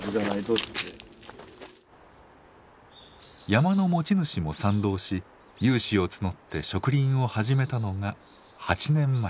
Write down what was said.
山の持ち主も賛同し有志を募って植林を始めたのが８年前。